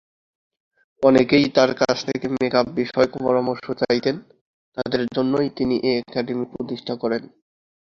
অনেকেই তার কাছ থেকে মেকআপ বিষয়ক পরামর্শ চাইতেন, তাদের জন্যেই তিনি এ একাডেমি প্রতিষ্ঠা করেন।